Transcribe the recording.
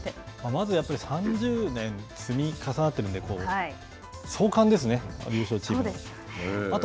まず３０年積み重なってるんで総観ですね優勝チーム。